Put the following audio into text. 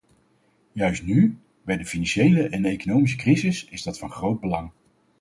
Juist nu, bij de financiële en economische crisis, is dat van groot belang.